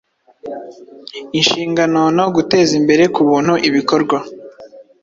Inshinganono guteza imbere kubuntu ibikorwa